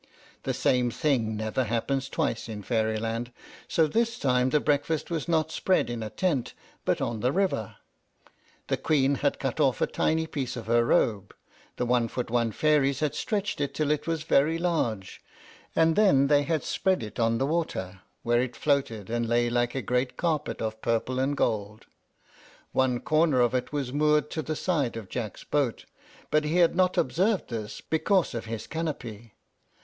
The same thing never happens twice in Fairyland, so this time the breakfast was not spread in a tent, but on the river. The Queen had cut off a tiny piece of her robe, the one foot one fairies had stretched it till it was very large, and then they had spread it on the water, where it floated and lay like a great carpet of purple and gold. One corner of it was moored to the side of Jack's boat; but he had not observed this, because of his canopy.